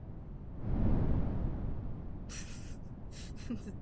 V současné době je uzavřeno kvůli rekonstrukci.